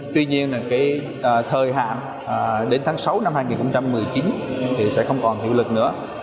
tuy nhiên cái thời hạn đến tháng sáu năm hai nghìn một mươi chín thì sẽ không còn hiệu lực nữa